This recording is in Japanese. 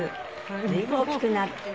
「随分大きくなって」